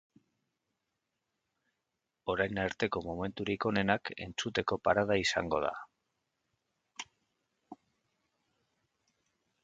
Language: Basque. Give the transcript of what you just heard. Orain arteko momenturik onenak entzuteko parada izango da.